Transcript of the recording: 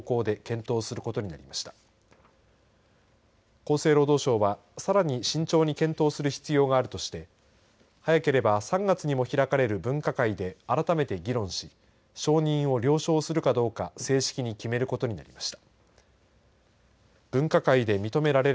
厚生労働省は、さらに慎重に検討する必要があるとして早ければ３月にも開かれる分科会で改めて議論し承認を了承するかどうか正式に決めることになりました。